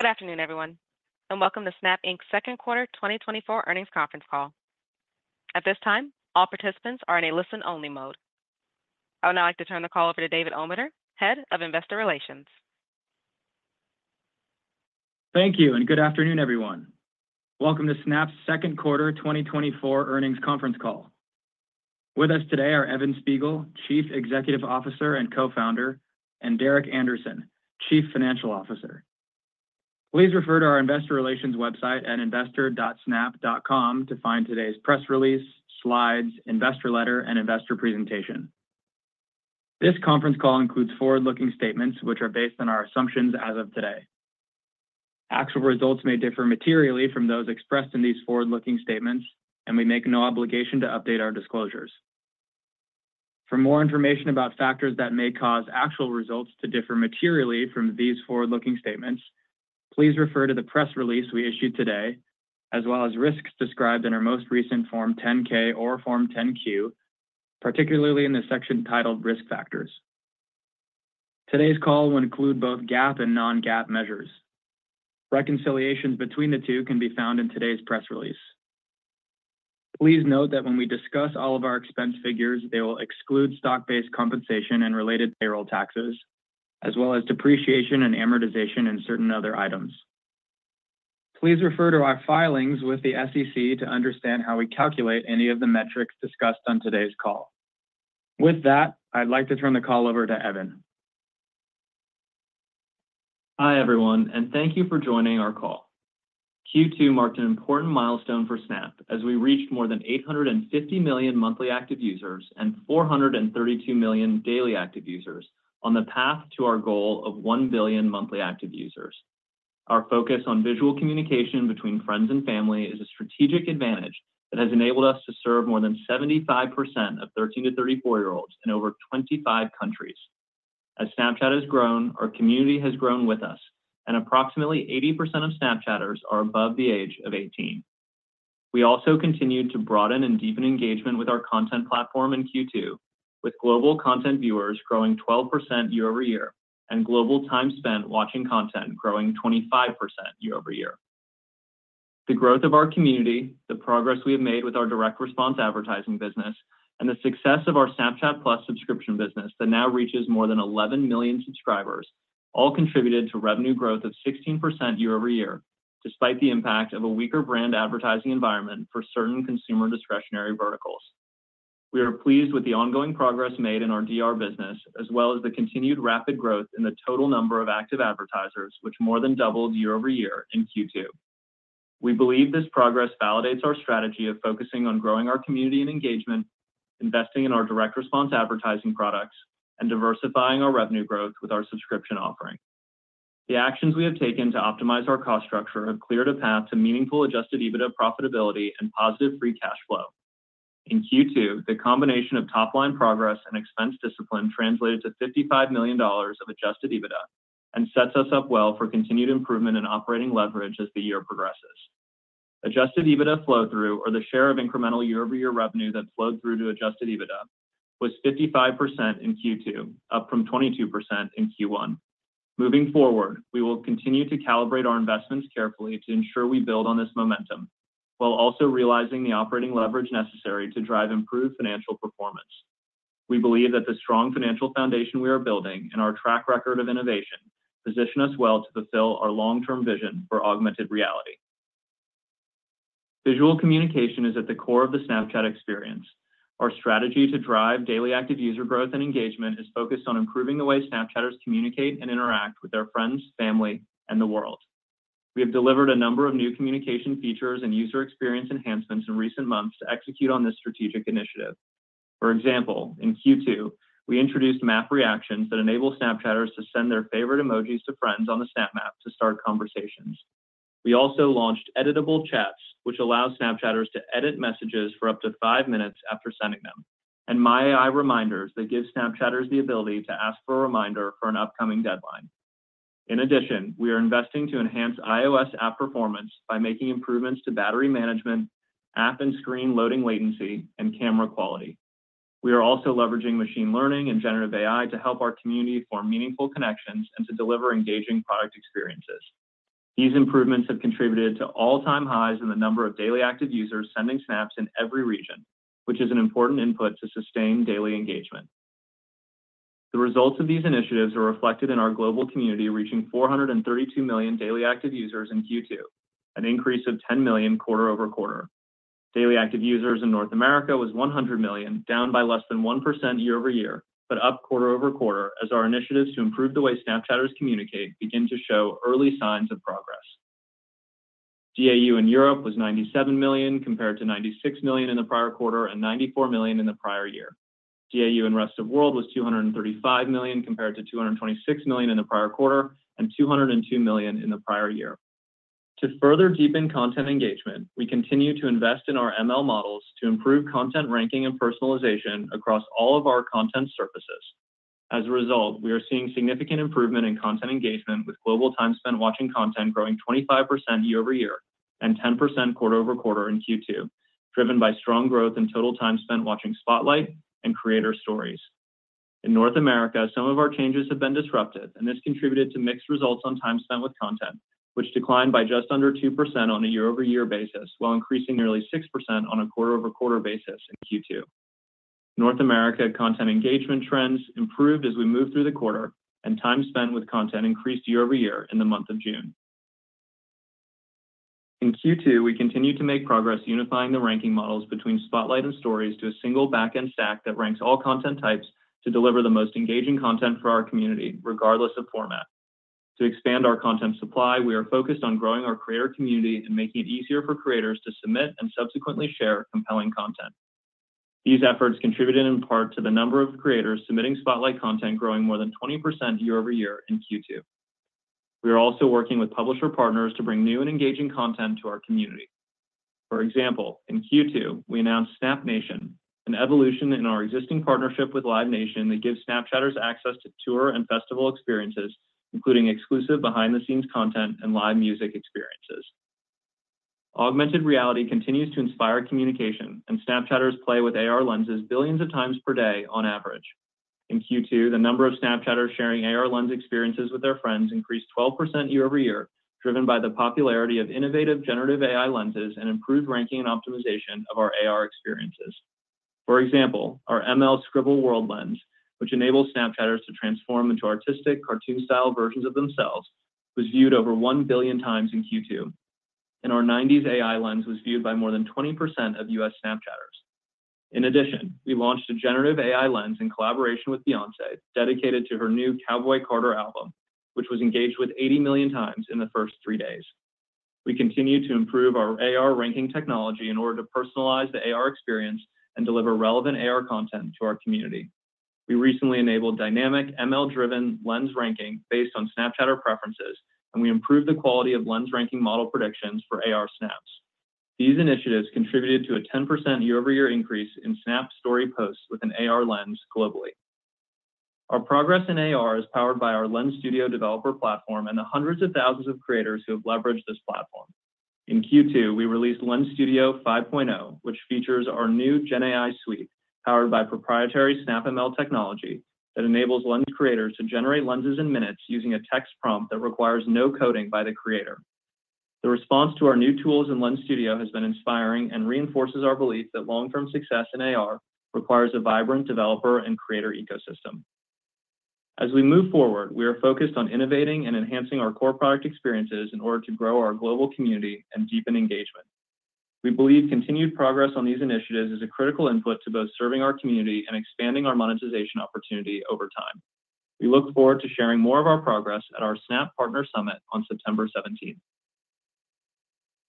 Good afternoon, everyone, and welcome to Snap Inc.'s second quarter 2024 earnings conference call. At this time, all participants are in a listen-only mode. I would now like to turn the call over to David Ometer, Head of Investor Relations. Thank you, and good afternoon, everyone. Welcome to Snap's second quarter 2024 earnings conference call. With us today are Evan Spiegel, Chief Executive Officer and Co-founder, and Derek Andersen, Chief Financial Officer. Please refer to our investor relations website at investor.snap.com to find today's press release, slides, investor letter, and investor presentation. This conference call includes forward-looking statements, which are based on our assumptions as of today. Actual results may differ materially from those expressed in these forward-looking statements, and we make no obligation to update our disclosures. For more information about factors that may cause actual results to differ materially from these forward-looking statements, please refer to the press release we issued today, as well as risks described in our most recent Form 10-K or Form 10-Q, particularly in the section titled Risk Factors. Today's call will include both GAAP and non-GAAP measures. Reconciliations between the two can be found in today's press release. Please note that when we discuss all of our expense figures, they will exclude stock-based compensation and related payroll taxes, as well as depreciation and amortization in certain other items. Please refer to our filings with the SEC to understand how we calculate any of the metrics discussed on today's call. With that, I'd like to turn the call over to Evan. Hi, everyone, and thank you for joining our call. Q2 marked an important milestone for Snap as we reached more than 850 million monthly active users and 432 million daily active users on the path to our goal of 1 billion monthly active users. Our focus on visual communication between friends and family is a strategic advantage that has enabled us to serve more than 75% of 13- to 34-year-olds in over 25 countries. As Snapchat has grown, our community has grown with us, and approximately 80% of Snapchatters are above the age of 18. We also continued to broaden and deepen engagement with our content platform in Q2, with global content viewers growing 12% year-over-year, and global time spent watching content growing 25% year-over-year. The growth of our community, the progress we have made with our direct response advertising business, and the success of our Snapchat+ subscription business that now reaches more than 11 million subscribers, all contributed to revenue growth of 16% year-over-year, despite the impact of a weaker brand advertising environment for certain consumer discretionary verticals. We are pleased with the ongoing progress made in our DR business, as well as the continued rapid growth in the total number of active advertisers, which more than doubled year-over-year in Q2. We believe this progress validates our strategy of focusing on growing our community and engagement, investing in our direct response advertising products, and diversifying our revenue growth with our subscription offering. The actions we have taken to optimize our cost structure have cleared a path to meaningful Adjusted EBITDA profitability and positive Free Cash Flow. In Q2, the combination of top-line progress and expense discipline translated to $55 million of adjusted EBITDA and sets us up well for continued improvement in operating leverage as the year progresses. Adjusted EBITDA flow-through, or the share of incremental year-over-year revenue that flowed through to adjusted EBITDA, was 55% in Q2, up from 22% in Q1. Moving forward, we will continue to calibrate our investments carefully to ensure we build on this momentum, while also realizing the operating leverage necessary to drive improved financial performance. We believe that the strong financial foundation we are building and our track record of innovation position us well to fulfill our long-term vision for augmented reality. Visual communication is at the core of the Snapchat experience. Our strategy to drive daily active user growth and engagement is focused on improving the way Snapchatters communicate and interact with their friends, family, and the world. We have delivered a number of new communication features and user experience enhancements in recent months to execute on this strategic initiative. For example, in Q2, we introduced Map Reactions that enable Snapchatters to send their favorite emojis to friends on the Snap Map to start conversations. We also launched Editable Chats, which allow Snapchatters to edit messages for up to five minutes after sending them, and My AI Reminders that give Snapchatters the ability to ask for a reminder for an upcoming deadline. In addition, we are investing to enhance iOS app performance by making improvements to battery management, app and screen loading latency, and camera quality. We are also leveraging Machine Learning and Generative AI to help our community form meaningful connections and to deliver engaging product experiences. These improvements have contributed to all-time highs in the number of Daily Active Users sending snaps in every region, which is an important input to sustain daily engagement. The results of these initiatives are reflected in our global community, reaching 432 million Daily Active Users in Q2, an increase of 10 million quarter-over-quarter. Daily Active Users in North America was 100 million, down by less than 1% year-over-year, but up quarter-over-quarter as our initiatives to improve the way Snapchatters communicate begin to show early signs of progress. DAU in Europe was 97 million, compared to 96 million in the prior quarter and 94 million in the prior year. DAU in Rest of World was 235 million, compared to 226 million in the prior quarter and 202 million in the prior year. To further deepen content engagement, we continue to invest in our ML models to improve content ranking and personalization across all of our content surfaces. As a result, we are seeing significant improvement in content engagement, with global time spent watching content growing 25% year-over-year and 10% quarter-over-quarter in Q2, driven by strong growth in total time spent watching Spotlight and Creator Stories. In North America, some of our changes have been disrupted, and this contributed to mixed results on time spent with content, which declined by just under 2% on a year-over-year basis, while increasing nearly 6% on a quarter-over-quarter basis in Q2. North America content engagement trends improved as we moved through the quarter, and time spent with content increased year-over-year in the month of June. In Q2, we continued to make progress unifying the ranking models between Spotlight and Stories to a single back-end stack that ranks all content types to deliver the most engaging content for our community, regardless of format. To expand our content supply, we are focused on growing our creator community and making it easier for creators to submit and subsequently share compelling content. These efforts contributed in part to the number of creators submitting Spotlight content growing more than 20% year-over-year in Q2. We are also working with publisher partners to bring new and engaging content to our community. For example, in Q2, we announced Snap Nation, an evolution in our existing partnership with Live Nation that gives Snapchatters access to tour and festival experiences, including exclusive behind-the-scenes content and live music experiences. Augmented reality continues to inspire communication, and Snapchatters play with AR Lenses billions of times per day on average. In Q2, the number of Snapchatters sharing AR Lens experiences with their friends increased 12% year-over-year, driven by the popularity of innovative generative AI Lenses and improved ranking and optimization of our AR experiences. For example, our ML Scribble World Lens, which enables Snapchatters to transform into artistic, cartoon-style versions of themselves, was viewed over 1 billion times in Q2, and our 90s AI Lens was viewed by more than 20% of U.S. Snapchatters. In addition, we launched a generative AI Lens in collaboration with Beyoncé, dedicated to her new Cowboy Carter album, which was engaged with 80 million times in the first three days. We continue to improve our AR ranking technology in order to personalize the AR experience and deliver relevant AR content to our community. We recently enabled dynamic ML-driven Lens ranking based on Snapchatter preferences, and we improved the quality of Lens ranking model predictions for AR snaps. These initiatives contributed to a 10% year-over-year increase in Snap Story posts with an AR Lens globally. Our progress in AR is powered by our Lens Studio developer platform and the hundreds of thousands of creators who have leveraged this platform. In Q2, we released Lens Studio 5.0, which features our new Gen AI Suite, powered by proprietary Snap ML technology that enables Lens creators to generate Lenses in minutes using a text prompt that requires no coding by the creator. The response to our new tools in Lens Studio has been inspiring and reinforces our belief that long-term success in AR requires a vibrant developer and creator ecosystem. As we move forward, we are focused on innovating and enhancing our core product experiences in order to grow our global community and deepen engagement. We believe continued progress on these initiatives is a critical input to both serving our community and expanding our monetization opportunity over time. We look forward to sharing more of our progress at our Snap Partner Summit on September seventeenth.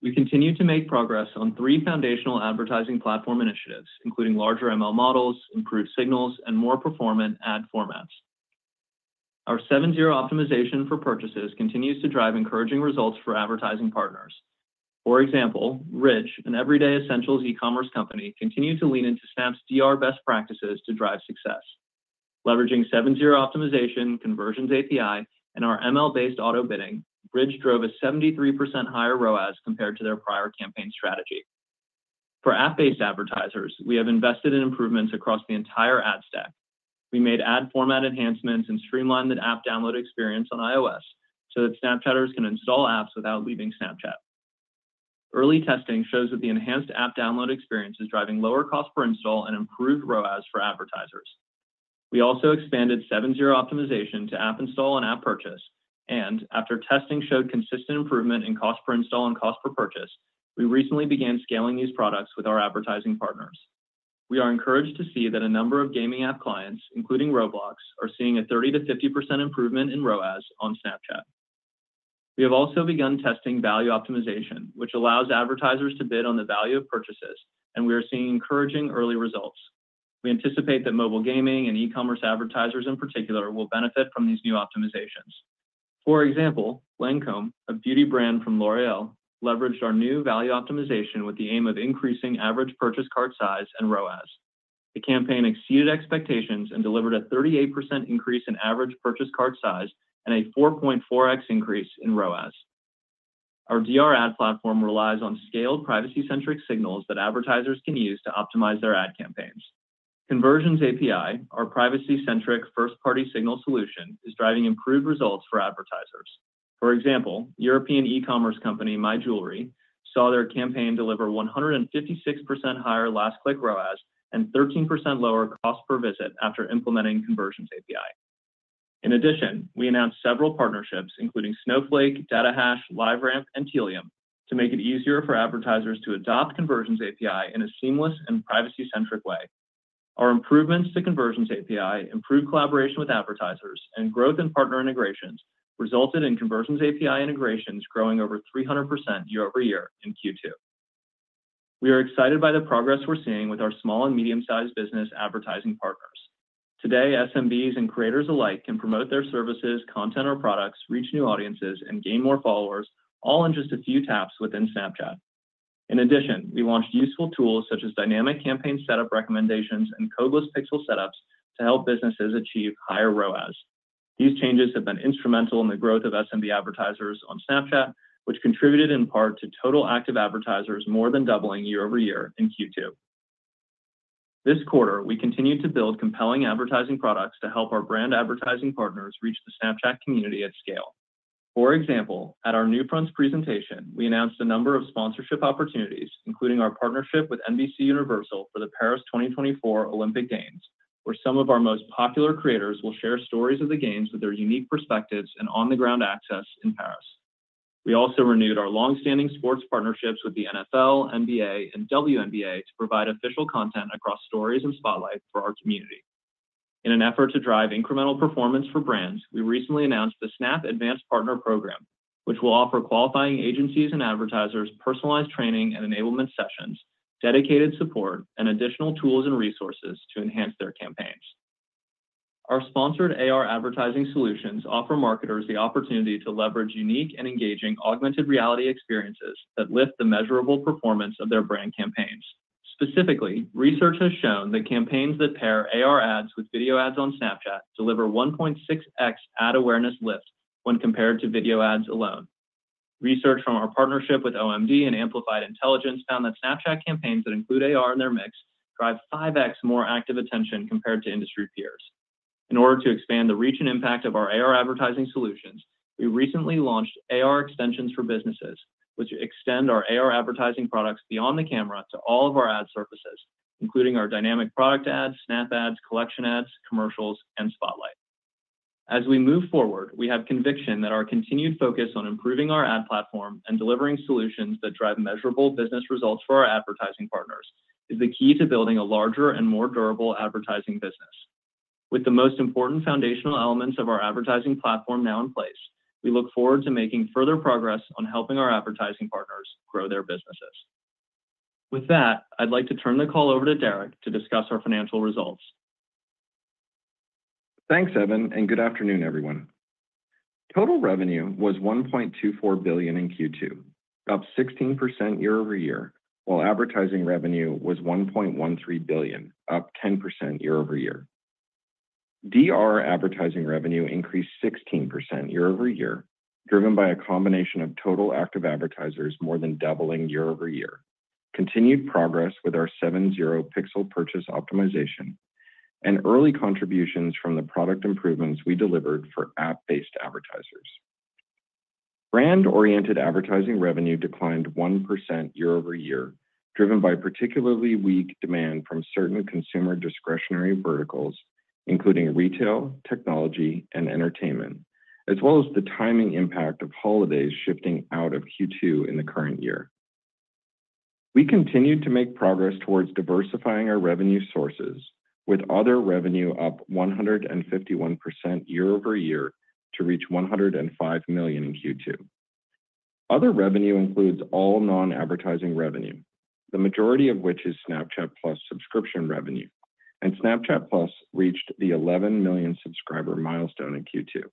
We continue to make progress on three foundational advertising platform initiatives, including larger ML models, improved signals, and more performant ad formats. Our 7/0 optimization for purchases continues to drive encouraging results for advertising partners. For example, Ridge, an everyday essentials e-commerce company, continued to lean into Snap's DR best practices to drive success. Leveraging 7/0 optimization, Conversions API, and our ML-based auto bidding, Ridge drove a 73% higher ROAS compared to their prior campaign strategy. For app-based advertisers, we have invested in improvements across the entire ad stack. We made ad format enhancements and streamlined the app download experience on iOS so that Snapchatters can install apps without leaving Snapchat. Early testing shows that the enhanced app download experience is driving lower cost per install and improved ROAS for advertisers. We also expanded 7/0 optimization to app install and app purchase, and after testing showed consistent improvement in cost per install and cost per purchase, we recently began scaling these products with our advertising partners. We are encouraged to see that a number of gaming app clients, including Roblox, are seeing a 30%-50% improvement in ROAS on Snapchat. We have also begun testing value optimization, which allows advertisers to bid on the value of purchases, and we are seeing encouraging early results. We anticipate that mobile gaming and e-commerce advertisers in particular, will benefit from these new optimizations. For example, Lancôme, a beauty brand from L'Oréal, leveraged our new value optimization with the aim of increasing average purchase cart size and ROAS. The campaign exceeded expectations and delivered a 38% increase in average purchase cart size and a 4.4x increase in ROAS. Our DR ad platform relies on scaled, privacy-centric signals that advertisers can use to optimize their ad campaigns. Conversions API, our privacy-centric, first-party signal solution, is driving improved results for advertisers. For example, European e-commerce company, My Jewellery, saw their campaign deliver 156% higher last click ROAS and 13% lower cost per visit after implementing Conversions API. In addition, we announced several partnerships, including Snowflake, Datahash, LiveRamp, and Tealium, to make it easier for advertisers to adopt Conversions API in a seamless and privacy-centric way. Our improvements to Conversions API, improved collaboration with advertisers, and growth in partner integrations resulted in Conversions API integrations growing over 300% year-over-year in Q2. We are excited by the progress we're seeing with our small and medium-sized business advertising partners. Today, SMBs and creators alike can promote their services, content or products, reach new audiences, and gain more followers, all in just a few taps within Snapchat. In addition, we launched useful tools such as dynamic campaign setup recommendations and codeless pixel setups to help businesses achieve higher ROAS. These changes have been instrumental in the growth of SMB advertisers on Snapchat, which contributed in part to total active advertisers more than doubling year-over-year in Q2. This quarter, we continued to build compelling advertising products to help our brand advertising partners reach the Snapchat community at scale. For example, at our NewFronts presentation, we announced a number of sponsorship opportunities, including our partnership with NBC Universal for the Paris 2024 Olympic Games, where some of our most popular creators will share stories of the games with their unique perspectives and on-the-ground access in Paris. We also renewed our long-standing sports partnerships with the NFL, NBA, and WNBA to provide official content across Stories and Spotlight for our community. In an effort to drive incremental performance for brands, we recently announced the Snap Advanced Partner Program, which will offer qualifying agencies and advertisers personalized training and enablement sessions, dedicated support, and additional tools and resources to enhance their campaigns. Our sponsored AR advertising solutions offer marketers the opportunity to leverage unique and engaging augmented reality experiences that lift the measurable performance of their brand campaigns. Specifically, research has shown that campaigns that pair AR ads with video ads on Snapchat deliver 1.6x ad awareness lift when compared to video ads alone. Research from our partnership with OMD and Amplified Intelligence found that Snapchat campaigns that include AR in their mix drive 5x more active attention compared to industry peers. In order to expand the reach and impact of our AR advertising solutions, we recently launched AR Extensions for businesses, which extend our AR advertising products beyond the camera to all of our ad surfaces, including our Dynamic Product Ads, Snap Ads, Collection Ads, Commercials, and Spotlight. As we move forward, we have conviction that our continued focus on improving our ad platform and delivering solutions that drive measurable business results for our advertising partners is the key to building a larger and more durable advertising business. With the most important foundational elements of our advertising platform now in place, we look forward to making further progress on helping our advertising partners grow their businesses. With that, I'd like to turn the call over to Derek to discuss our financial results. Thanks, Evan, and good afternoon, everyone. Total revenue was $1.24 billion in Q2, up 16% year-over-year, while advertising revenue was $1.13 billion, up 10% year-over-year. DR advertising revenue increased 16% year-over-year, driven by a combination of total active advertisers more than doubling year-over-year, continued progress with our 7/0 pixel purchase optimization, and early contributions from the product improvements we delivered for app-based advertisers. Brand-oriented advertising revenue declined 1% year-over-year, driven by particularly weak demand from certain consumer discretionary verticals, including retail, technology, and entertainment, as well as the timing impact of holidays shifting out of Q2 in the current year. We continued to make progress towards diversifying our revenue sources, with other revenue up 151% year-over-year to reach $105 million in Q2. Other revenue includes all non-advertising revenue, the majority of which is Snapchat+ subscription revenue, and Snapchat+ reached the 11 million subscriber milestone in Q2.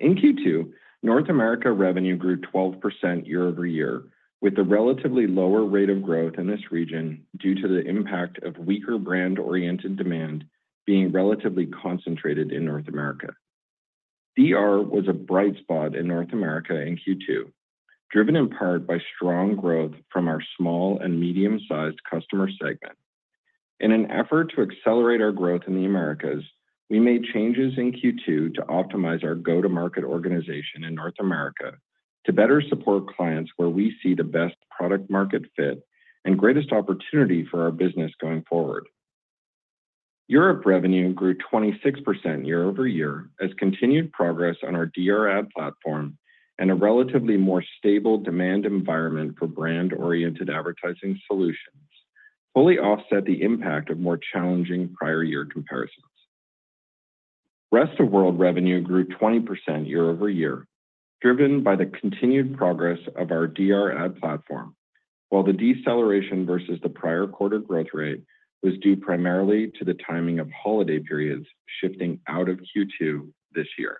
In Q2, North America revenue grew 12% year-over-year, with a relatively lower rate of growth in this region due to the impact of weaker brand-oriented demand being relatively concentrated in North America. DR was a bright spot in North America in Q2, driven in part by strong growth from our small and medium-sized customer segment. In an effort to accelerate our growth in the Americas, we made changes in Q2 to optimize our go-to-market organization in North America to better support clients where we see the best product market fit and greatest opportunity for our business going forward. Europe revenue grew 26% year-over-year as continued progress on our DR ad platform and a relatively more stable demand environment for brand-oriented advertising solutions fully offset the impact of more challenging prior year comparisons. Rest of World revenue grew 20% year-over-year, driven by the continued progress of our DR ad platform, while the deceleration versus the prior quarter growth rate was due primarily to the timing of holiday periods shifting out of Q2 this year.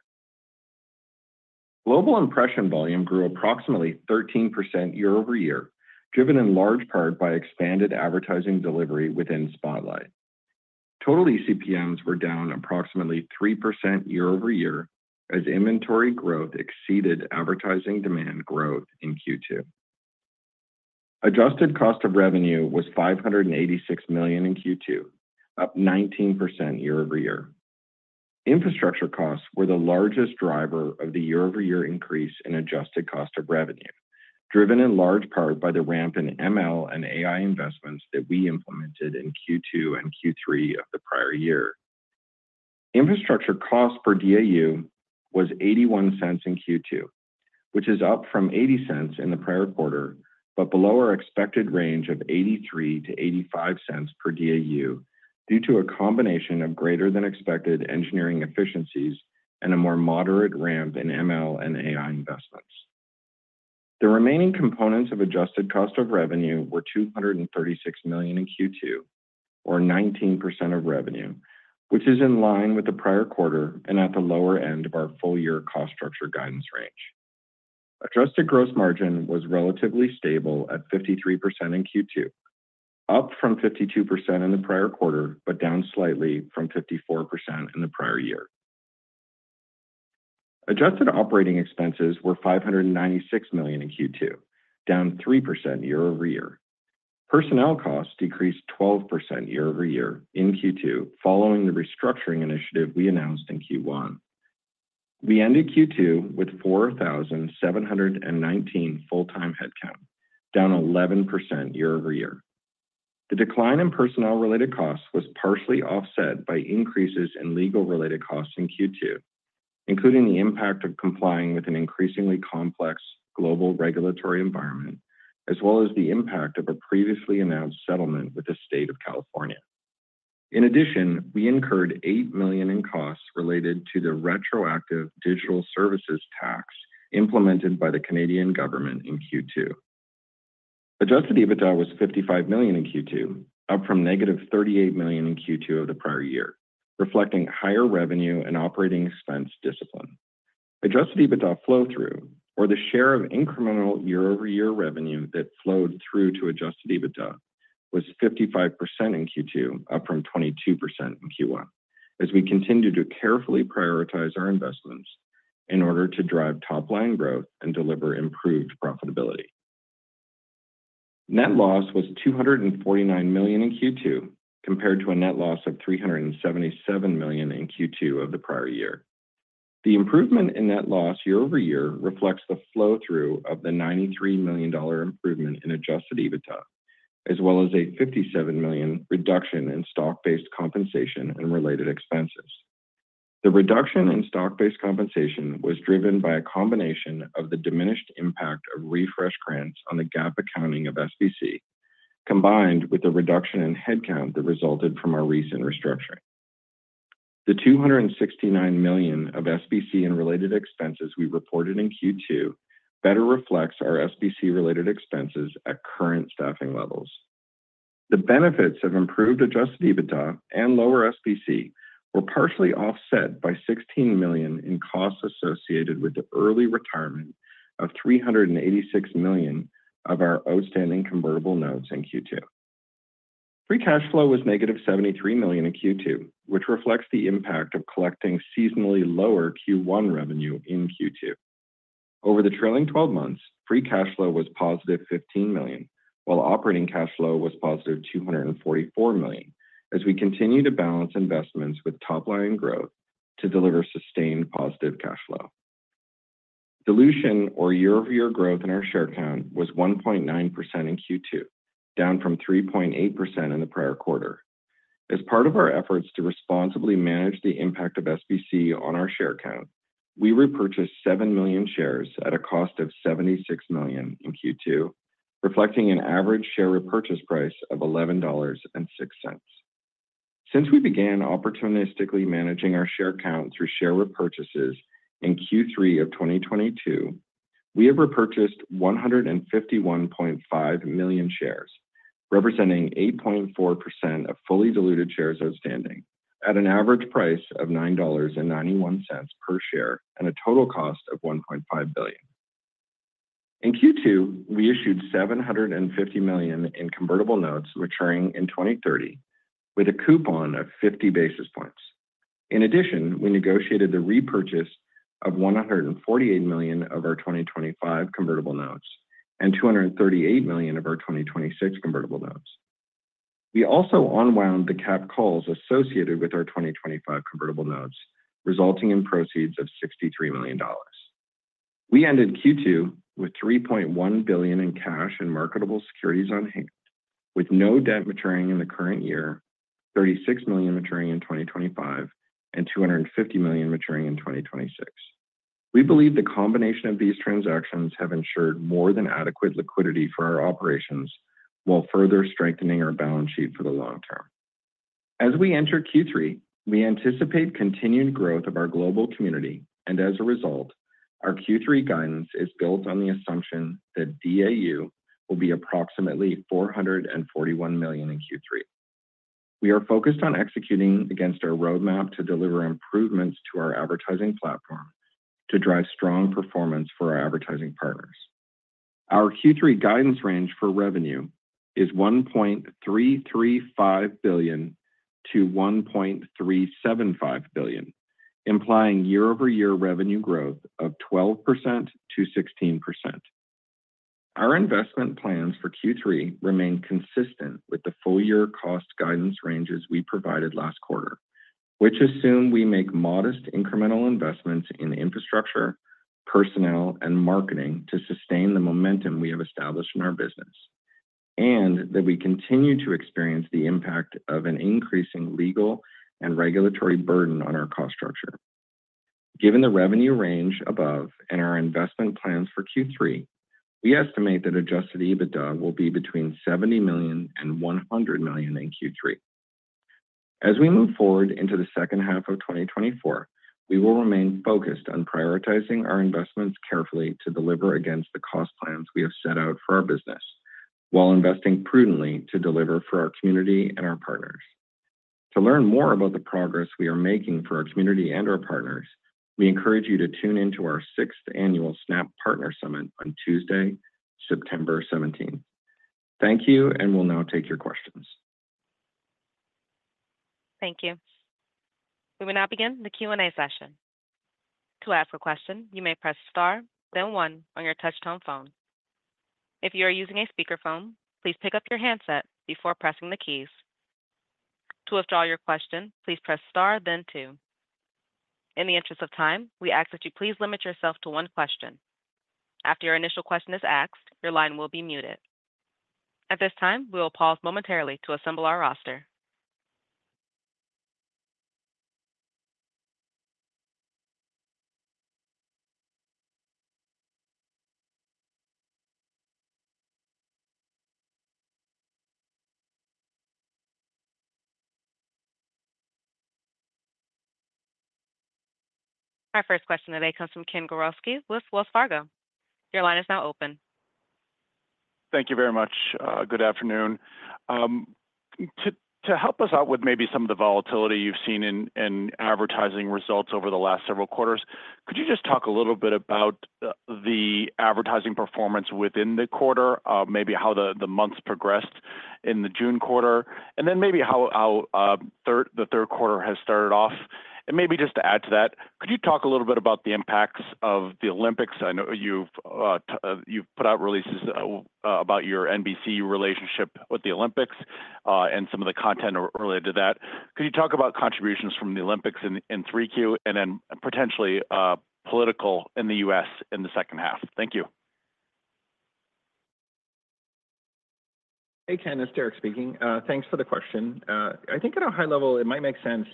Global impression volume grew approximately 13% year-over-year, driven in large part by expanded advertising delivery within Spotlight. Total eCPMs were down approximately 3% year-over-year as inventory growth exceeded advertising demand growth in Q2. Adjusted cost of revenue was $586 million in Q2, up 19% year-over-year. Infrastructure costs were the largest driver of the year-over-year increase in adjusted cost of revenue, driven in large part by the ramp in ML and AI investments that we implemented in Q2 and Q3 of the prior year. Infrastructure cost per DAU was $0.81 in Q2, which is up from $0.80 in the prior quarter, but below our expected range of $0.83-$0.85 per DAU, due to a combination of greater than expected engineering efficiencies and a more moderate ramp in ML and AI investments. The remaining components of adjusted cost of revenue were $236 million in Q2, or 19% of revenue, which is in line with the prior quarter and at the lower end of our full year cost structure guidance range. Adjusted gross margin was relatively stable at 53% in Q2, up from 52% in the prior quarter, but down slightly from 54% in the prior year. Adjusted operating expenses were $596 million in Q2, down 3% year-over-year. Personnel costs decreased 12% year-over-year in Q2, following the restructuring initiative we announced in Q1. We ended Q2 with 4,719 full-time headcount, down 11% year-over-year. The decline in personnel-related costs was partially offset by increases in legal-related costs in Q2, including the impact of complying with an increasingly complex global regulatory environment, as well as the impact of a previously announced settlement with the state of California. In addition, we incurred $8 million in costs related to the retroactive digital services tax implemented by the Canadian government in Q2. Adjusted EBITDA was $55 million in Q2, up from -$38 million in Q2 of the prior year, reflecting higher revenue and operating expense discipline. Adjusted EBITDA flow-through, or the share of incremental year-over-year revenue that flowed through to adjusted EBITDA, was 55% in Q2, up from 22% in Q1, as we continue to carefully prioritize our investments in order to drive top-line growth and deliver improved profitability. Net loss was $249 million in Q2, compared to a net loss of $377 million in Q2 of the prior year. The improvement in net loss year-over-year reflects the flow-through of the $93 million improvement in adjusted EBITDA, as well as a 57 million reduction in stock-based compensation and related expenses. The reduction in stock-based compensation was driven by a combination of the diminished impact of refresh grants on the GAAP accounting of SBC, combined with the reduction in headcount that resulted from our recent restructuring. The 269 million of SBC and related expenses we reported in Q2 better reflects our SBC-related expenses at current staffing levels. The benefits of improved Adjusted EBITDA and lower SBC were partially offset by $16 million in costs associated with the early retirement of $386 million of our outstanding convertible notes in Q2. Free Cash Flow was negative $73 million in Q2, which reflects the impact of collecting seasonally lower Q1 revenue in Q2. Over the trailing twelve months, Free Cash Flow was positive $15 million, while Operating Cash Flow was positive $244 million, as we continue to balance investments with top-line growth to deliver sustained positive cash flow. Dilution or year-over-year growth in our share count was 1.9% in Q2, down from 3.8% in the prior quarter. As part of our efforts to responsibly manage the impact of SBC on our share count, we repurchased 7 million shares at a cost of $76 million in Q2, reflecting an average share repurchase price of $11.06. Since we began opportunistically managing our share count through share repurchases in Q3 of 2022, we have repurchased 151.5 million shares, representing 8.4% of fully diluted shares outstanding at an average price of $9.91 per share and a total cost of $1.5 billion. In Q2, we issued $750 million in convertible notes maturing in 2030, with a coupon of 50 basis points. In addition, we negotiated the repurchase of $148 million of our 2025 convertible notes and $238 million of our 2026 convertible notes. We also unwound the capped calls associated with our 2025 convertible notes, resulting in proceeds of $63 million. We ended Q2 with $3.1 billion in cash and marketable securities on hand, with no debt maturing in the current year, $36 million maturing in 2025, and $250 million maturing in 2026. We believe the combination of these transactions have ensured more than adequate liquidity for our operations while further strengthening our balance sheet for the long term. As we enter Q3, we anticipate continued growth of our global community, and as a result, our Q3 guidance is built on the assumption that DAU will be approximately 441 million in Q3. We are focused on executing against our roadmap to deliver improvements to our advertising platform to drive strong performance for our advertising partners. Our Q3 guidance range for revenue is $1.335 billion-$1.375 billion, implying year-over-year revenue growth of 12%-16%. Our investment plans for Q3 remain consistent with the full year cost guidance ranges we provided last quarter, which assume we make modest incremental investments in infrastructure, personnel, and marketing to sustain the momentum we have established in our business, and that we continue to experience the impact of an increasing legal and regulatory burden on our cost structure. Given the revenue range above and our investment plans for Q3, we estimate that Adjusted EBITDA will be between $70 million and $100 million in Q3. As we move forward into the second half of 2024, we will remain focused on prioritizing our investments carefully to deliver against the cost plans we have set out for our business, while investing prudently to deliver for our community and our partners.... To learn more about the progress we are making for our community and our partners, we encourage you to tune in to our sixth annual Snap Partner Summit on Tuesday, September seventeenth. Thank you, and we'll now take your questions. Thank you. We will now begin the Q&A session. To ask a question, you may press star, then one on your touchtone phone. If you are using a speakerphone, please pick up your handset before pressing the keys. To withdraw your question, please press star, then two. In the interest of time, we ask that you please limit yourself to one question. After your initial question is asked, your line will be muted. At this time, we will pause momentarily to assemble our roster. Our first question today comes from Ken Gawrelski with Wells Fargo. Your line is now open. Thank you very much. Good afternoon. To help us out with maybe some of the volatility you've seen in advertising results over the last several quarters, could you just talk a little bit about the advertising performance within the quarter, maybe how the months progressed in the June quarter, and then maybe how the third quarter has started off? And maybe just to add to that, could you talk a little bit about the impacts of the Olympics? I know you've put out releases about your NBC relationship with the Olympics, and some of the content related to that. Could you talk about contributions from the Olympics in 3Q, and then potentially political in the U.S. in the second half? Thank you. Hey, Ken, it's Derek speaking. Thanks for the question. I think at a high level, it might make sense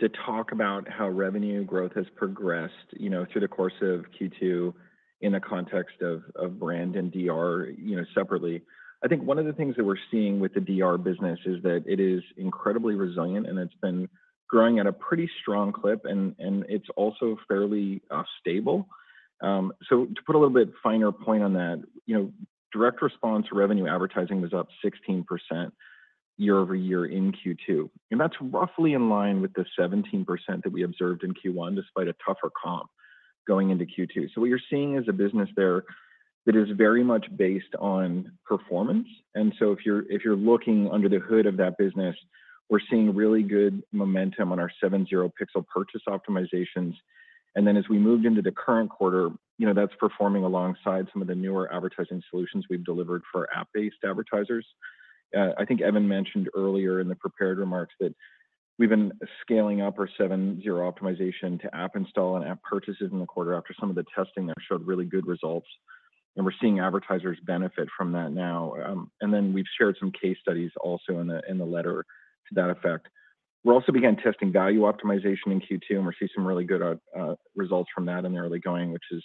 to talk about how revenue growth has progressed, you know, through the course of Q2 in the context of brand and DR, you know, separately. I think one of the things that we're seeing with the DR business is that it is incredibly resilient, and it's been growing at a pretty strong clip, and it's also fairly stable. So to put a little bit finer point on that, you know, direct response revenue advertising was up 16% year-over-year in Q2, and that's roughly in line with the 17% that we observed in Q1, despite a tougher comp going into Q2. So what you're seeing is a business there that is very much based on performance. And so if you're looking under the hood of that business, we're seeing really good momentum on our 7/0 pixel purchase optimizations. And then, as we moved into the current quarter, you know, that's performing alongside some of the newer advertising solutions we've delivered for app-based advertisers. I think Evan mentioned earlier in the prepared remarks that we've been scaling up our 7/0 optimization to app install and app purchases in the quarter after some of the testing that showed really good results, and we're seeing advertisers benefit from that now. And then we've shared some case studies also in the letter to that effect. We also began testing value optimization in Q2, and we're seeing some really good results from that in the early going, which is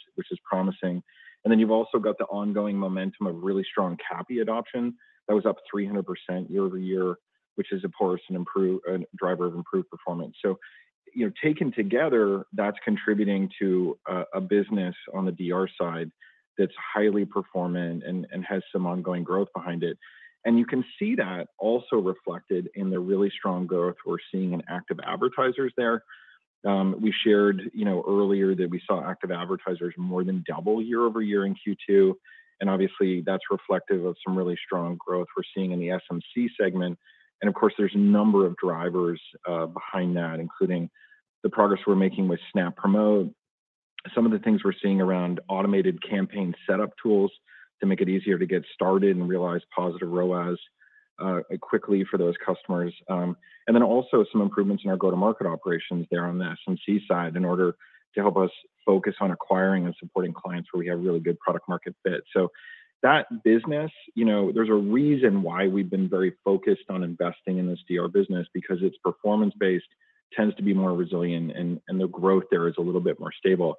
promising. And then you've also got the ongoing momentum of really strong CAPI adoption. That was up 300% year-over-year, which is, of course, a driver of improved performance. So, you know, taken together, that's contributing to a business on the DR side that's highly performant and has some ongoing growth behind it. And you can see that also reflected in the really strong growth we're seeing in active advertisers there. We shared, you know, earlier that we saw active advertisers more than double year-over-year in Q2, and obviously, that's reflective of some really strong growth we're seeing in the SMC segment. And of course, there's a number of drivers behind that, including the progress we're making with Snap Promote. Some of the things we're seeing around automated campaign setup tools to make it easier to get started and realize positive ROAS quickly for those customers. And then also some improvements in our go-to-market operations there on the SMC side in order to help us focus on acquiring and supporting clients where we have really good product market fit. So that business, you know, there's a reason why we've been very focused on investing in this DR business because it's performance-based, tends to be more resilient, and the growth there is a little bit more stable.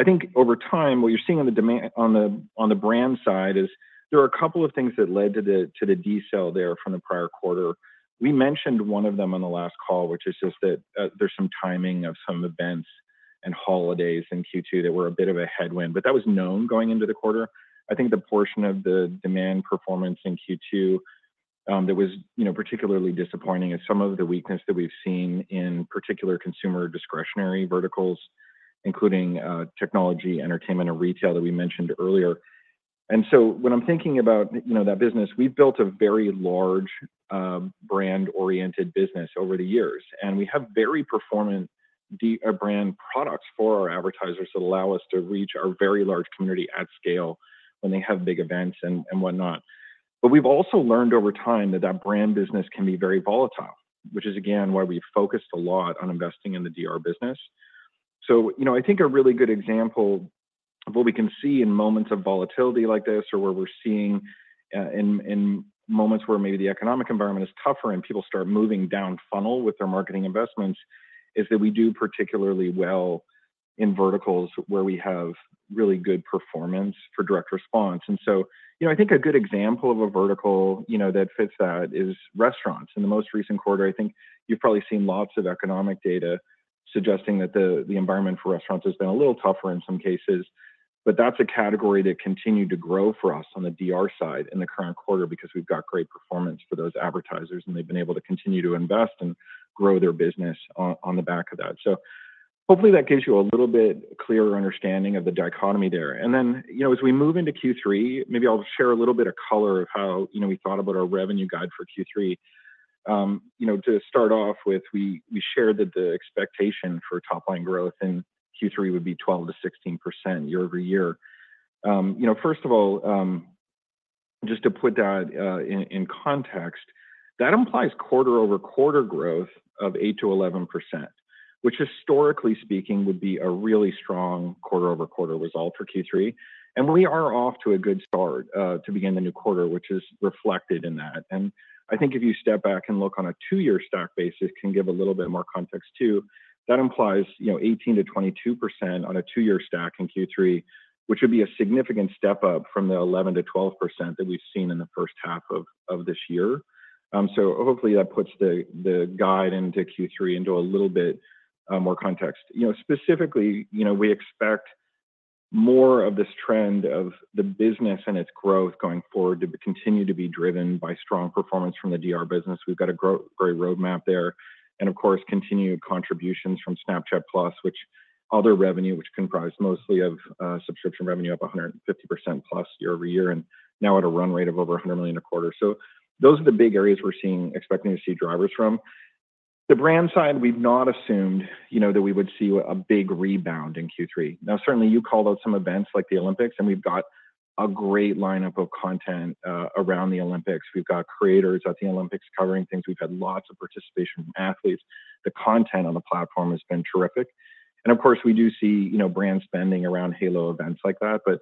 I think over time, what you're seeing on the brand side is there are a couple of things that led to the decel there from the prior quarter. We mentioned one of them on the last call, which is just that there's some timing of some events and holidays in Q2 that were a bit of a headwind, but that was known going into the quarter. I think the portion of the demand performance in Q2 that was, you know, particularly disappointing is some of the weakness that we've seen in particular consumer discretionary verticals, including technology, entertainment, and retail that we mentioned earlier. And so when I'm thinking about, you know, that business, we've built a very large brand-oriented business over the years, and we have very performant brand products for our advertisers that allow us to reach our very large community at scale when they have big events and whatnot. But we've also learned over time that that brand business can be very volatile, which is, again, why we focused a lot on investing in the DR business. So, you know, I think a really good example of what we can see in moments of volatility like this or where we're seeing in moments where maybe the economic environment is tougher and people start moving down funnel with their marketing investments, is that we do particularly well in verticals where we have really good performance for direct response. And so, you know, I think a good example of a vertical, you know, that fits that is restaurants. In the most recent quarter, I think you've probably seen lots of economic data suggesting that the environment for restaurants has been a little tougher in some cases. But that's a category that continued to grow for us on the DR side in the current quarter, because we've got great performance for those advertisers, and they've been able to continue to invest and grow their business on the back of that. So hopefully, that gives you a little bit clearer understanding of the dichotomy there. And then, you know, as we move into Q3, maybe I'll share a little bit of color of how, you know, we thought about our revenue guide for Q3. You know, to start off with, we, we shared that the expectation for top-line growth in Q3 would be 12%-16% year-over-year. You know, first of all, just to put that in context, that implies quarter-over-quarter growth of 8%-11%, which historically speaking, would be a really strong quarter-over-quarter result for Q3. We are off to a good start to begin the new quarter, which is reflected in that. I think if you step back and look on a two-year stack basis, it can give a little bit more context too. That implies, you know, 18%-22% on a two-year stack in Q3, which would be a significant step up from the 11%-12% that we've seen in the first half of this year. So hopefully that puts the guide into Q3 into a little bit more context. You know, specifically, you know, we expect more of this trend of the business and its growth going forward to continue to be driven by strong performance from the DR business. We've got a great roadmap there, and of course, continued contributions from Snapchat+, which is other revenue, which comprises mostly of subscription revenue, up 150%+ year-over-year, and now at a run rate of over $100 million a quarter. So those are the big areas we're expecting to see drivers from. The brand side, we've not assumed, you know, that we would see a big rebound in Q3. Now, certainly, you called out some events like the Olympics, and we've got a great lineup of content around the Olympics. We've got creators at the Olympics covering things. We've had lots of participation from athletes. The content on the platform has been terrific. And of course, we do see, you know, brand spending around halo events like that. But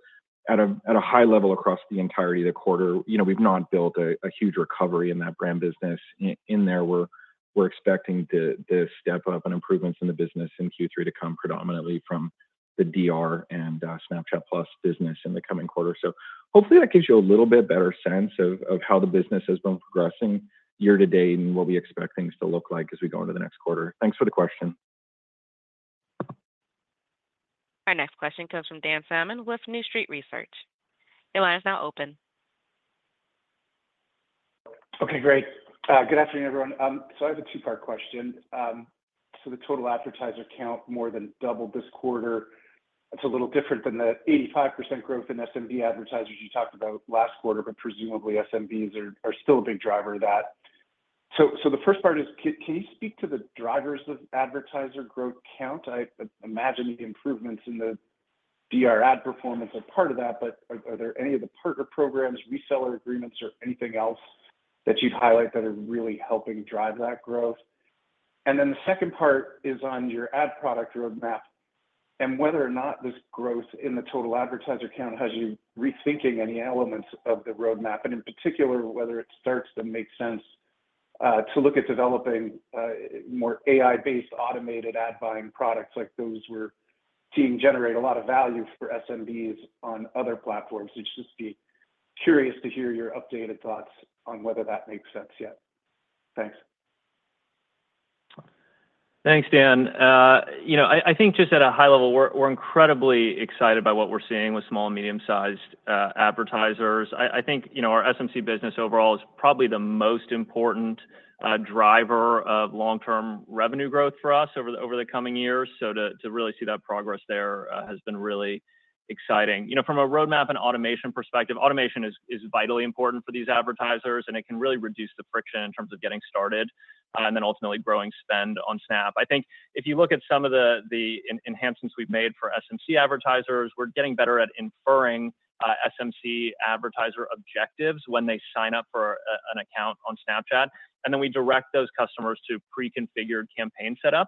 at a high level, across the entirety of the quarter, you know, we've not built a huge recovery in that brand business. In there, we're expecting the step up and improvements in the business in Q3 to come predominantly from the DR and Snapchat+ business in the coming quarter. So hopefully, that gives you a little bit better sense of how the business has been progressing year to date and what we expect things to look like as we go into the next quarter. Thanks for the question. Our next question comes from Dan Salmon with New Street Research. Your line is now open. Okay, great. Good afternoon, everyone. So I have a two-part question. So the total advertiser count more than doubled this quarter. It's a little different than the 85% growth in SMB advertisers you talked about last quarter, but presumably, SMBs are still a big driver of that. So the first part is, can you speak to the drivers of advertiser growth count? I imagine the improvements in the DR ad performance are part of that, but are there any of the partner programs, reseller agreements, or anything else that you'd highlight that are really helping drive that growth? And then the second part is on your ad product roadmap, and whether or not this growth in the total advertiser count has you rethinking any elements of the roadmap, and in particular, whether it starts to make sense to look at developing more AI-based automated ad buying products like those we're seeing generate a lot of value for SMBs on other platforms? I'd just be curious to hear your updated thoughts on whether that makes sense yet. Thanks. Thanks, Dan. You know, I think just at a high level, we're incredibly excited by what we're seeing with small and medium-sized advertisers. I think, you know, our SMC business overall is probably the most important driver of long-term revenue growth for us over the coming years. So to really see that progress there has been really exciting. You know, from a roadmap and automation perspective, automation is vitally important for these advertisers, and it can really reduce the friction in terms of getting started and then ultimately growing spend on Snap. I think if you look at some of the enhancements we've made for SMC advertisers, we're getting better at inferring SMC advertiser objectives when they sign up for an account on Snapchat, and then we direct those customers to preconfigured campaign setups,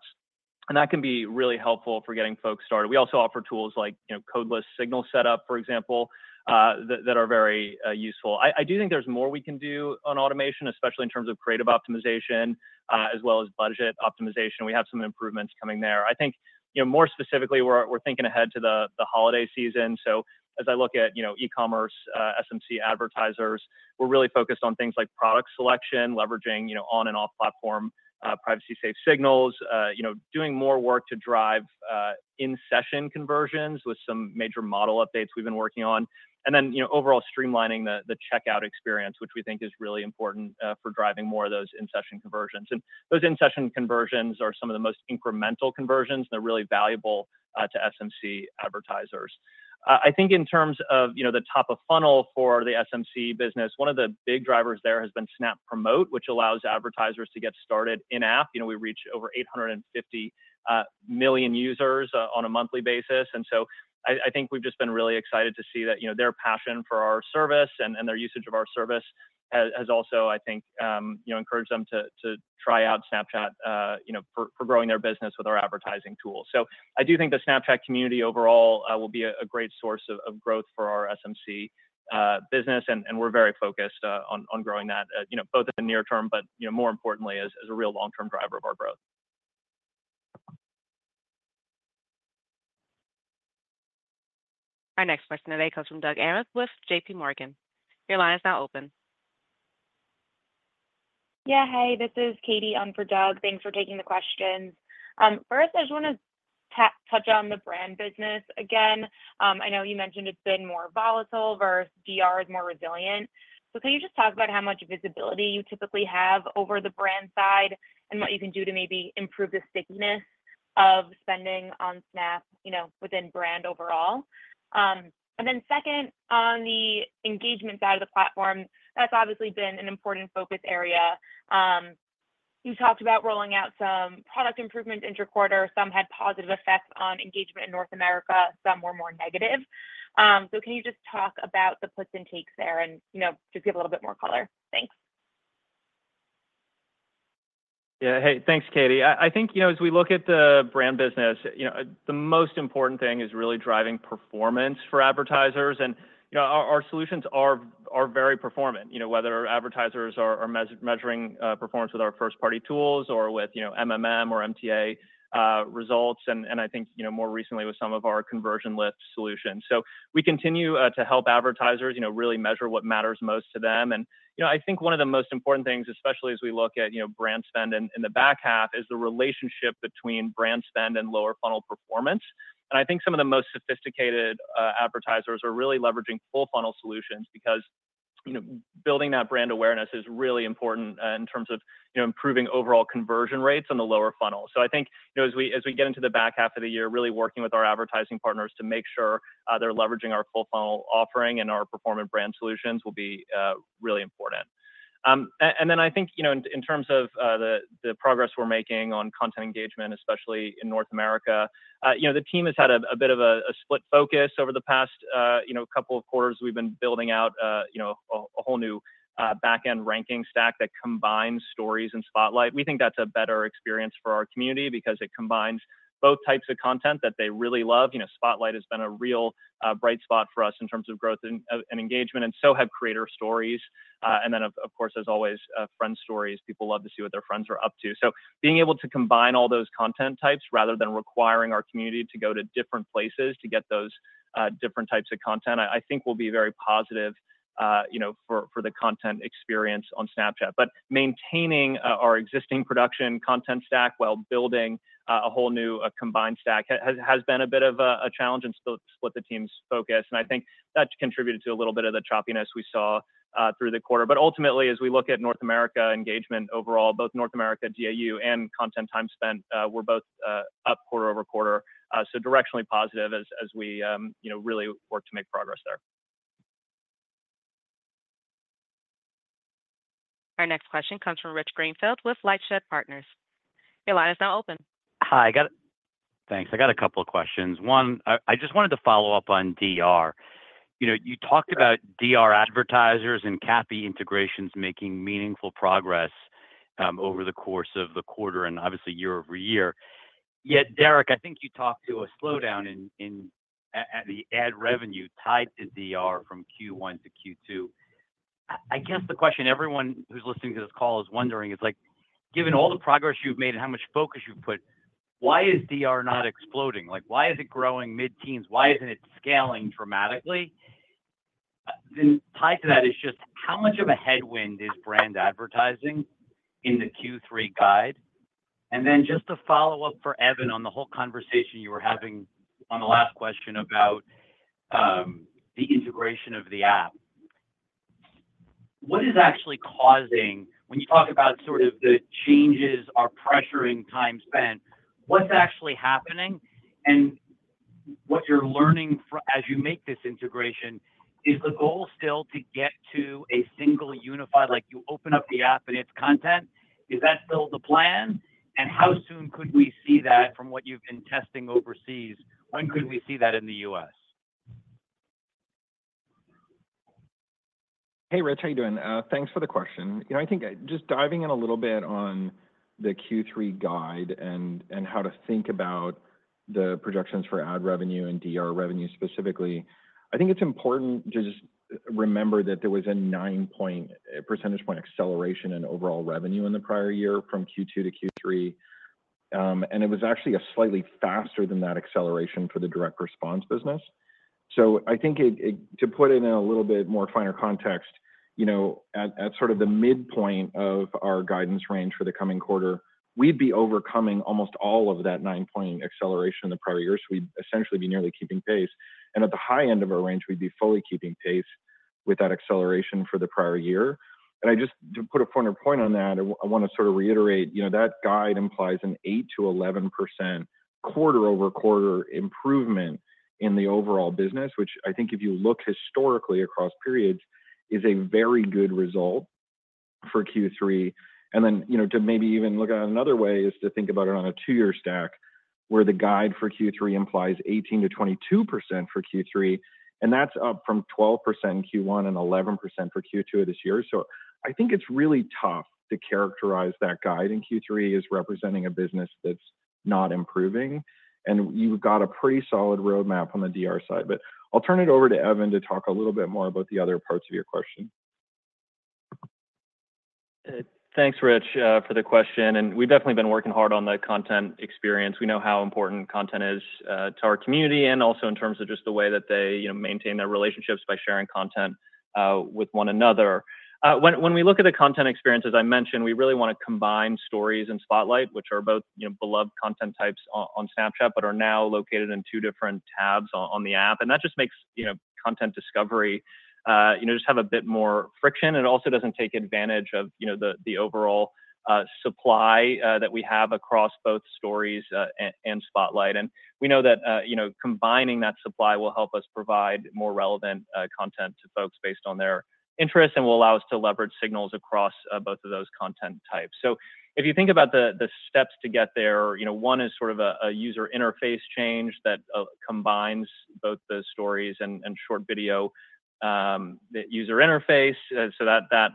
and that can be really helpful for getting folks started. We also offer tools like, you know, codeless signal setup, for example, that are very useful. I do think there's more we can do on automation, especially in terms of creative optimization, as well as budget optimization. We have some improvements coming there. I think, you know, more specifically, we're thinking ahead to the holiday season. So as I look at, you know, e-commerce, SMC advertisers, we're really focused on things like product selection, leveraging, you know, on and off platform, privacy, safe signals, you know, doing more work to drive, in-session conversions with some major model updates we've been working on. And then, you know, overall streamlining the checkout experience, which we think is really important, for driving more of those in-session conversions. And those in-session conversions are some of the most incremental conversions, they're really valuable, to SMC advertisers. I think in terms of, you know, the top of funnel for the SMC business, one of the big drivers there has been Snap Promote, which allows advertisers to get started in app. You know, we reach over 850 million users on a monthly basis, and so I think we've just been really excited to see that, you know, their passion for our service and their usage of our service has also, I think, you know, encouraged them to try out Snapchat, you know, for growing their business with our advertising tools. So I do think the Snapchat community overall will be a great source of growth for our SMC business, and we're very focused on growing that, you know, both in the near term, but, you know, more importantly, as a real long-term driver of our growth. ... Our next question today comes from Doug Anmuth with JP Morgan. Your line is now open. Yeah, hi, this is Katie on for Doug. Thanks for taking the questions. First, I just wanna touch on the brand business again. I know you mentioned it's been more volatile, versus DR is more resilient. So can you just talk about how much visibility you typically have over the brand side, and what you can do to maybe improve the stickiness of spending on Snap, you know, within brand overall? And then second, on the engagement side of the platform, that's obviously been an important focus area. You talked about rolling out some product improvements interquarter. Some had positive effects on engagement in North America, some were more negative. So can you just talk about the puts and takes there and, you know, just give a little bit more color? Thanks. Yeah. Hey, thanks, Katie. I think, you know, as we look at the brand business, you know, the most important thing is really driving performance for advertisers. And, you know, our solutions are very performant, you know, whether advertisers are measuring performance with our first-party tools or with, you know, MMM or MTA results, and I think, you know, more recently with some of our conversion lift solutions. So we continue to help advertisers, you know, really measure what matters most to them. And, you know, I think one of the most important things, especially as we look at, you know, brand spend in the back half, is the relationship between brand spend and lower funnel performance. I think some of the most sophisticated advertisers are really leveraging full funnel solutions because, you know, building that brand awareness is really important in terms of, you know, improving overall conversion rates on the lower funnel. So I think, you know, as we, as we get into the back half of the year, really working with our advertising partners to make sure they're leveraging our full funnel offering and our performance brand solutions will be really important. And then I think, you know, in, in terms of the, the progress we're making on content engagement, especially in North America, you know, the team has had a, a bit of a, a split focus over the past, you know, couple of quarters. We've been building out, you know, a whole new backend ranking stack that combines Stories and Spotlight. We think that's a better experience for our community because it combines both types of content that they really love. You know, Spotlight has been a real bright spot for us in terms of growth and engagement, and so have Creator Stories. And then, of course, there's always Friend Stories. People love to see what their friends are up to. So being able to combine all those content types rather than requiring our community to go to different places to get those different types of content, I think will be very positive, you know, for the content experience on Snapchat. But maintaining our existing production content stack while building a whole new combined stack has been a bit of a challenge and split the team's focus, and I think that's contributed to a little bit of the choppiness we saw through the quarter. But ultimately, as we look at North America engagement overall, both North America DAU and content time spent were both up quarter-over-quarter. So directionally positive as we you know really work to make progress there. Our next question comes from Rich Greenfield with Lightshed Partners. Your line is now open. Hi, I got a couple of questions. One, I just wanted to follow up on DR. You know, you talked about DR advertisers and CAPI integrations making meaningful progress over the course of the quarter and obviously year over year. Yet, Derek, I think you talked to a slowdown in the ad revenue tied to DR from Q1 to Q2. I guess the question everyone who's listening to this call is wondering is, like, given all the progress you've made and how much focus you've put, why is DR not exploding? Like, why is it growing mid-teens? Why isn't it scaling dramatically? Then tied to that is just how much of a headwind is brand advertising in the Q3 guide? And then just a follow-up for Evan on the whole conversation you were having on the last question about the integration of the app. What is actually, when you talk about sort of the changes are pressuring time spent, what's actually happening and what you're learning as you make this integration? Is the goal still to get to a single unified, like, you open up the app and it's content? Is that still the plan? And how soon could we see that from what you've been testing overseas, when could we see that in the U.S.? Hey, Rich, how you doing? Thanks for the question. You know, I think just diving in a little bit on the Q3 guide and how to think about the projections for ad revenue and DR revenue specifically, I think it's important to just remember that there was a 9-point percentage point acceleration in overall revenue in the prior year from Q2 to Q3. And it was actually a slightly faster than that acceleration for the direct response business. So I think it, to put it in a little bit more finer context, you know, at sort of the midpoint of our guidance range for the coming quarter, we'd be overcoming almost all of that 9-point acceleration in the prior year, so we'd essentially be nearly keeping pace. At the high end of our range, we'd be fully keeping pace with that acceleration for the prior year. I just, to put a finer point on that, I want to sort of reiterate, you know, that guide implies an 8%-11% quarter-over-quarter improvement in the overall business, which I think if you look historically across periods, is a very good result for Q3. Then, you know, to maybe even look at it another way is to think about it on a two-year stack, where the guide for Q3 implies 18%-22% for Q3, and that's up from 12% in Q1 and 11% for Q2 of this year. I think it's really tough to characterize that guide in Q3 as representing a business that's not improving, and you've got a pretty solid roadmap on the DR side. I'll turn it over to Evan to talk a little bit more about the other parts of your question.... Thanks, Rich, for the question, and we've definitely been working hard on the content experience. We know how important content is to our community, and also in terms of just the way that they, you know, maintain their relationships by sharing content with one another. When we look at the content experience, as I mentioned, we really wanna combine Stories and Spotlight, which are both, you know, beloved content types on Snapchat, but are now located in two different tabs on the app. And that just makes, you know, content discovery, you know, just have a bit more friction, and also doesn't take advantage of, you know, the overall supply that we have across both Stories and Spotlight. And we know that, you know, combining that supply will help us provide more relevant, content to folks based on their interests, and will allow us to leverage signals across, both of those content types. So if you think about the steps to get there, you know, one is sort of a user interface change that combines both the Stories and short video, the user interface. So that,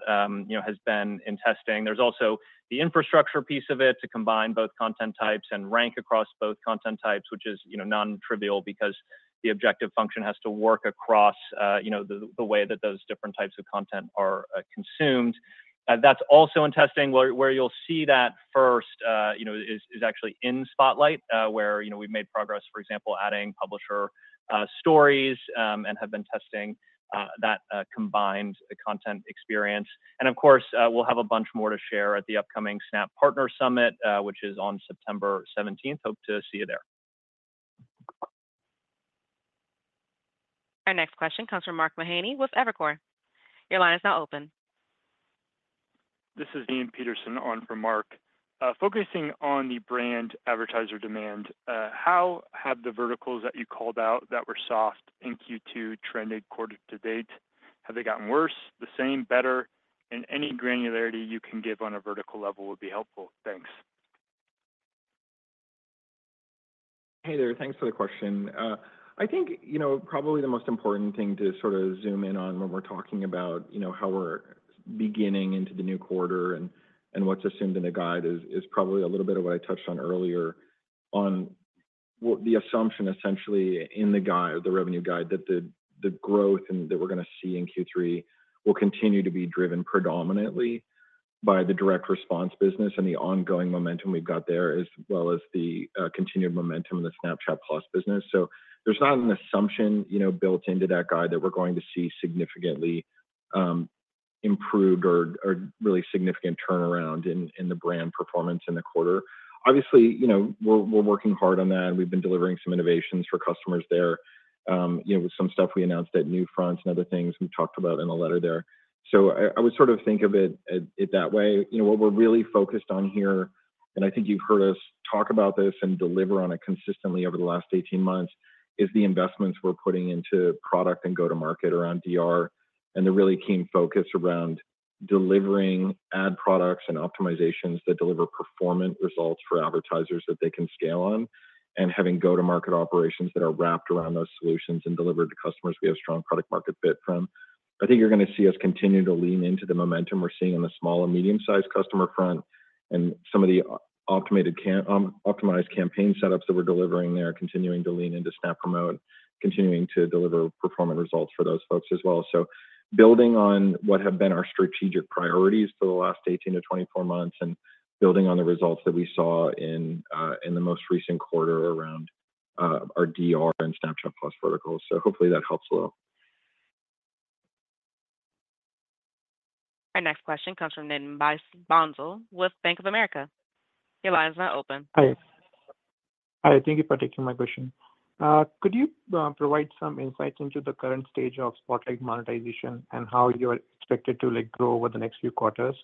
you know, has been in testing. There's also the infrastructure piece of it, to combine both content types and rank across both content types, which is, you know, non-trivial because the objective function has to work across, you know, the way that those different types of content are consumed. That's also in testing. Where you'll see that first, you know, is actually in Spotlight, where, you know, we've made progress, for example, adding Publisher Stories, and have been testing that combined content experience. And of course, we'll have a bunch more to share at the upcoming Snap Partner Summit, which is on September seventeenth. Hope to see you there. Our next question comes from Mark Mahaney with Evercore. Your line is now open. This is Ian Peterson on for Mark. Focusing on the brand advertiser demand, how have the verticals that you called out that were soft in Q2 trended quarter to date? Have they gotten worse, the same, better? And any granularity you can give on a vertical level would be helpful. Thanks. Hey there. Thanks for the question. I think, you know, probably the most important thing to sort of zoom in on when we're talking about, you know, how we're beginning into the new quarter and what's assumed in the guide is probably a little bit of what I touched on earlier, on what the assumption, essentially, in the guide, the revenue guide, that the growth that we're gonna see in Q3 will continue to be driven predominantly by the direct response business and the ongoing momentum we've got there, as well as the continued momentum in the Snapchat+ business. So there's not an assumption, you know, built into that guide that we're going to see significantly improved or really significant turnaround in the brand performance in the quarter. Obviously, you know, we're working hard on that, and we've been delivering some innovations for customers there, you know, with some stuff we announced at NewFronts and other things we talked about in the letter there. So I would sort of think of it that way. You know, what we're really focused on here, and I think you've heard us talk about this and deliver on it consistently over the last 18 months, is the investments we're putting into product and go-to-market around DR, and the really keen focus around delivering ad products and optimizations that deliver performance results for advertisers that they can scale on. And having go-to-market operations that are wrapped around those solutions and delivered to customers we have a strong product market fit from. I think you're gonna see us continue to lean into the momentum we're seeing in the small and medium-sized customer front, and some of the optimized campaign setups that we're delivering there, continuing to lean into Snap Promote, continuing to deliver performance results for those folks as well. So building on what have been our strategic priorities for the last 18-24 months, and building on the results that we saw in the most recent quarter around our DR and Snapchat+ verticals. So hopefully that helps a little. Our next question comes from Nitin Bansal with Bank of America. Your line is now open. Hi. Hi, thank you for taking my question. Could you provide some insights into the current stage of Spotlight monetization and how you're expected to, like, grow over the next few quarters?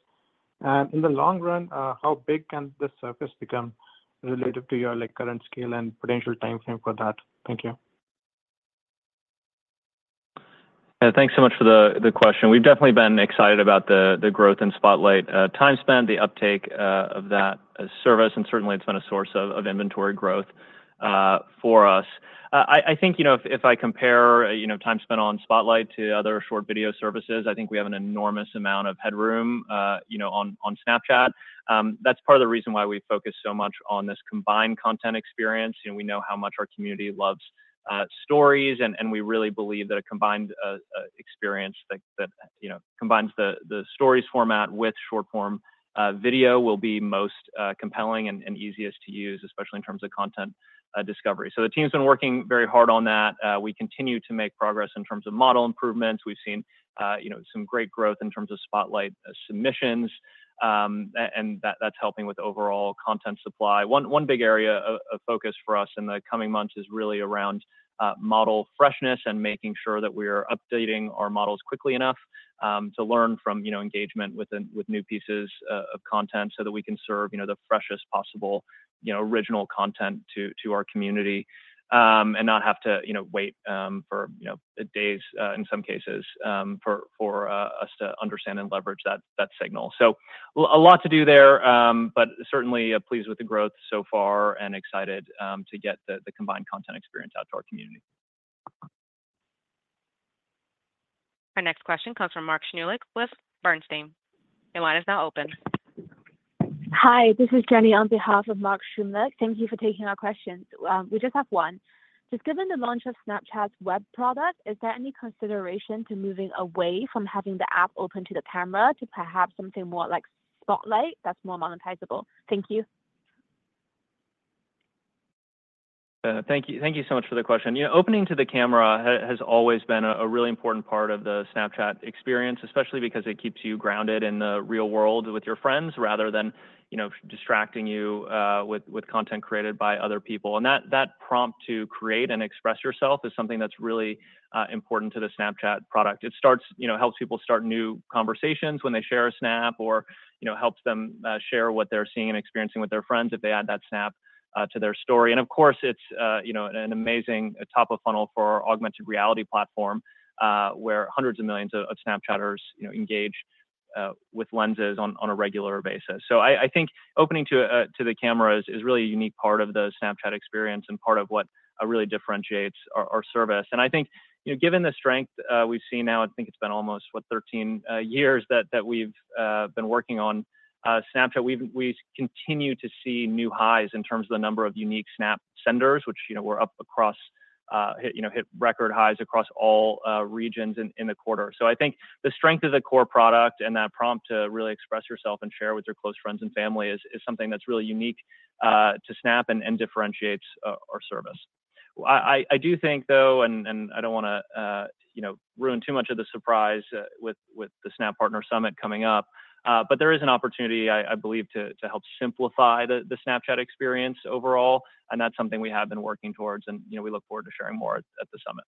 And in the long run, how big can this surface become relative to your, like, current scale and potential timeframe for that? Thank you. Thanks so much for the question. We've definitely been excited about the growth in Spotlight, time spent, the uptake of that service, and certainly it's been a source of inventory growth for us. I think, you know, if I compare, you know, time spent on Spotlight to other short video services, I think we have an enormous amount of headroom, you know, on Snapchat. That's part of the reason why we focus so much on this combined content experience. You know, we know how much our community loves Stories, and we really believe that a combined experience that you know combines the Stories format with short-form video will be most compelling and easiest to use, especially in terms of content discovery. So the team's been working very hard on that. We continue to make progress in terms of model improvements. We've seen you know some great growth in terms of Spotlight submissions, and that's helping with overall content supply. One big area of focus for us in the coming months is really around model freshness and making sure that we're updating our models quickly enough to learn from, you know, engagement with the new pieces of content, so that we can serve, you know, the freshest possible, you know, original content to our community. And not have to, you know, wait for, you know, days in some cases for us to understand and leverage that signal. So a lot to do there, but certainly pleased with the growth so far and excited to get the combined content experience out to our community. Our next question comes from Mark Shmulik with Bernstein. Your line is now open. Hi, this is Jenny on behalf of Mark Shmulik. Thank you for taking our question. We just have one. Just given the launch of Snapchat's web product, is there any consideration to moving away from having the app open to the camera to perhaps something more like Spotlight that's more monetizable? Thank you. Thank you. Thank you so much for the question. Yeah, opening to the camera has always been a really important part of the Snapchat experience, especially because it keeps you grounded in the real world with your friends rather than, you know, distracting you with content created by other people. And that prompt to create and express yourself is something that's really important to the Snapchat product. It helps people start new conversations when they share a Snap or, you know, helps them share what they're seeing and experiencing with their friends if they add that Snap to their story. And of course, it's an amazing top of funnel for our augmented reality platform, where hundreds of millions of Snapchatters engage with Lenses on a regular basis. So I think opening to the camera is really a unique part of the Snapchat experience and part of what really differentiates our service. And I think, you know, given the strength we've seen now, I think it's been almost, what? 13 years that we've been working on Snapchat, we continue to see new highs in terms of the number of unique Snap senders, which, you know, were up across hit record highs across all regions in the quarter. So I think the strength of the core product and that prompt to really express yourself and share with your close friends and family is something that's really unique to Snap and differentiates our service. I do think, though, and I don't wanna, you know, ruin too much of the surprise, with the Snap Partner Summit coming up, but there is an opportunity, I believe, to help simplify the Snapchat experience overall, and that's something we have been working towards, and, you know, we look forward to sharing more at the summit.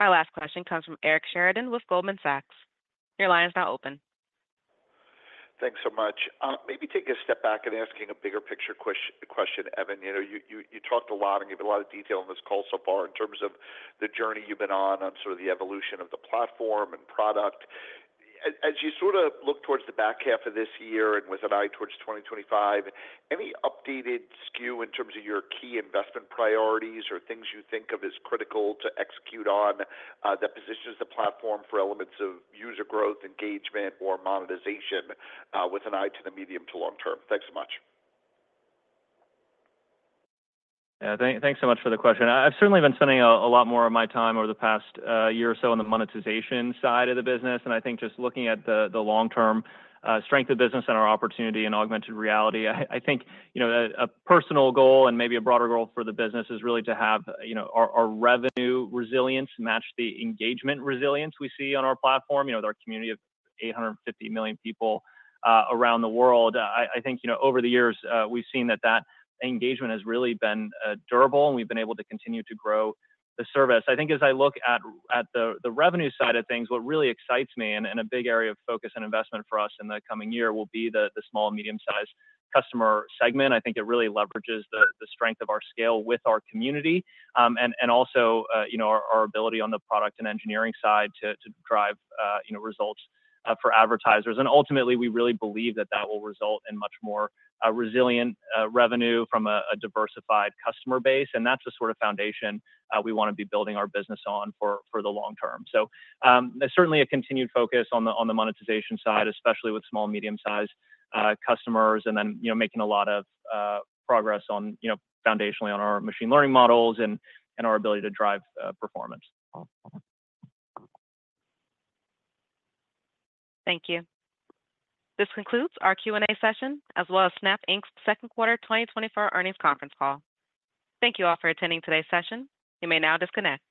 Our last question comes from Eric Sheridan with Goldman Sachs. Your line is now open. Thanks so much. Maybe taking a step back and asking a bigger picture question, Evan. You know, you talked a lot and given a lot of detail on this call so far in terms of the journey you've been on, on sort of the evolution of the platform and product. As you sort of look towards the back half of this year and with an eye towards 2025, any updated skew in terms of your key investment priorities or things you think of as critical to execute on, that positions the platform for elements of user growth, engagement, or monetization, with an eye to the medium to long term? Thanks so much. Yeah, thanks so much for the question. I've certainly been spending a lot more of my time over the past year or so on the monetization side of the business, and I think just looking at the long-term strength of the business and our opportunity in augmented reality. I think, you know, a personal goal and maybe a broader goal for the business is really to have, you know, our revenue resilience match the engagement resilience we see on our platform. You know, with our community of 850 million people around the world, I think, you know, over the years, we've seen that that engagement has really been durable, and we've been able to continue to grow the service. I think as I look at the revenue side of things, what really excites me, and a big area of focus and investment for us in the coming year, will be the small and medium-sized customer segment. I think it really leverages the strength of our scale with our community, and also, you know, our ability on the product and engineering side to drive, you know, results for advertisers. And ultimately, we really believe that will result in much more resilient revenue from a diversified customer base, and that's the sort of foundation we wanna be building our business on for the long term. There's certainly a continued focus on the monetization side, especially with small, medium-sized customers, and then, you know, making a lot of progress on, you know, foundationally on our machine learning models and our ability to drive performance. Thank you. This concludes our Q&A session, as well as Snap Inc.'s second quarter 2024 earnings conference call. Thank you all for attending today's session. You may now disconnect.